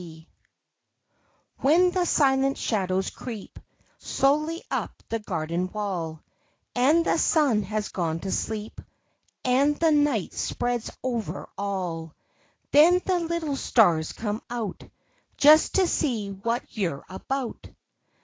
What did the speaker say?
W hen the silent shadows creep Slowly up the garden wall, And the sun has gone to sleep, And the night spreads over all, Then the little stars come out Just to see what you're about.